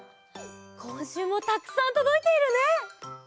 こんしゅうもたくさんとどいているね！